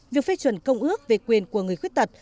việc phê chuẩn công ước về quyền của người khuyết tật